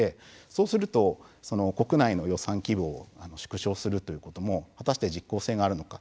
そうすると、国内の予算規模を縮小するということも果たして実行性があるのか。